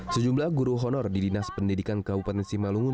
sejumlah guru honor di dinas pendidikan kabupaten simalungun